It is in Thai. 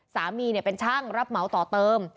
สามีเป็นช่างรับเหมาต่อเติม